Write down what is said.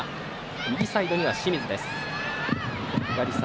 右サイドには清水です。